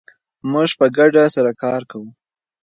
موږ په ګډه سره کار کوو.